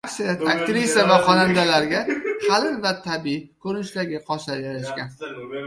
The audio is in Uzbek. Aksariyat aktrisa va xonandalarga qalin va tabiiy ko‘rinishdagi qoshlar yarashgan